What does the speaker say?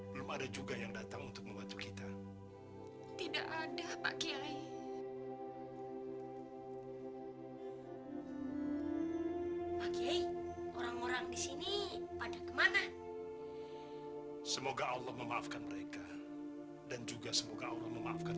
tidak dua orang yang datang tak ada enslenggah